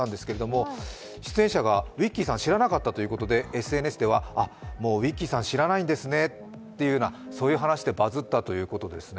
出演者がウィッキーさんを知らなかったということで、ＳＮＳでは、もうウィッキーさん知らないんですねという話でバズったということですね。